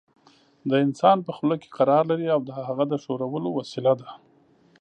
د انسان په خوله کې قرار لري او د هغه د ښورولو وسیله ده.